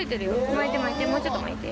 巻いて巻いてもうちょっと巻いて。